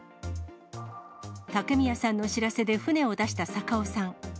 竹宮さんの知らせで船を出した坂尾さん。